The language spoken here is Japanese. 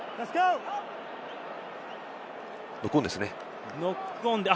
ノックオンですね。